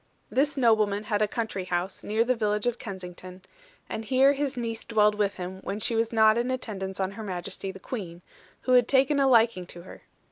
This nobleman had a country house near the village of Kensington; and here his niece dwelled with him, when she was not in attendance on Her Majesty the Queen, who had taken a liking to her.